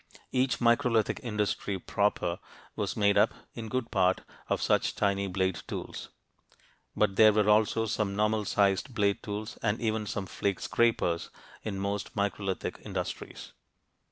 Each microlithic industry proper was made up, in good part, of such tiny blade tools. But there were also some normal sized blade tools and even some flake scrapers, in most microlithic industries.